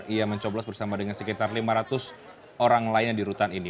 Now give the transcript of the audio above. ia mencoblos bersama dengan sekitar lima ratus orang lainnya di rutan ini